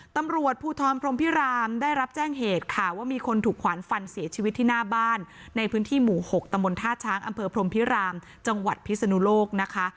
ตำรวจภูทรพรมพิรามได้รับแจ้งเหตุค่ะว่ามีคนถูกขวานฟันเสียชีวิตที่หน้าบ้านในพื้นที่หมู่๖ตมท่าช้างอำเภอพรมพิรามจังหวัดพิศนุโลกนะคะ